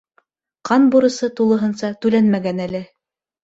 Ҡан бурысы тулыһынса түләнмәгән әле.